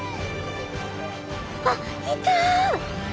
あっいた！